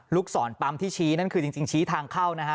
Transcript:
ลูกศรปั๊มที่ชี้นั่นคือจริงชี้ทางเข้านะฮะ